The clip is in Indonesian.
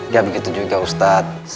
gak begitu juga ustadz